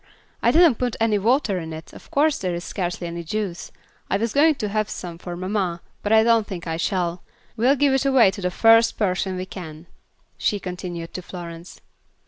I didn't put any water in it, of course there is scarcely any juice. I was going to save some for mamma, but I don't think I shall. We'll give it away to the first person we can," she continued to Florence.